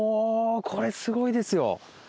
これすごいですよ！